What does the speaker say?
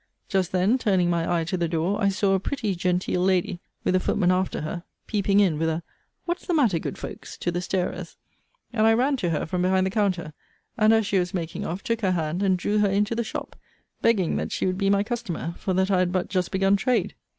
Just then, turning my eye to the door, I saw a pretty, genteel lady, with a footman after her, peeping in with a What's the matter, good folks? to the starers; and I ran to her from behind the compter, and, as she was making off, took her hand, and drew her into the shop; begging that she would be my customer; for that I had but just begun trade.